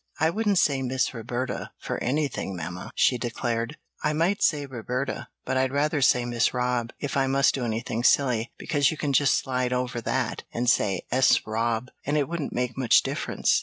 "I wouldn't say Miss Roberta for anything, mamma," she declared. "I might say Roberta, but I'd rather say Miss Rob, if I must do anything silly, because you can just slide over that, and say ''S Rob' and it wouldn't make much difference."